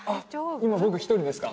今僕一人ですか？